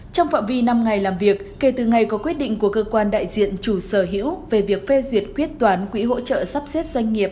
trong phạm vi năm ngày làm việc kể từ ngày có quyết định của cơ quan đại diện chủ sở hữu về việc phê duyệt quyết toán quỹ hỗ trợ sắp xếp doanh nghiệp